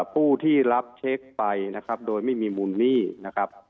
ผู้ที่รับเช็คไปนะครับโดยไม่มีมูลหนี้นะครับ